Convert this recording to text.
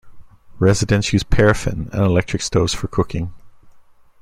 Residents use paraffin and electric stoves for cooking.